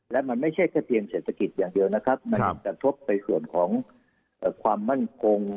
และมันไม่ใช่แค่เพียงเศรษฐกิจอย่างเดียวนะครับมันกระทบในส่วนของความมั่นคง